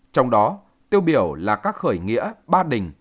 trong đó tiêu biểu là các khởi nghĩa ba đình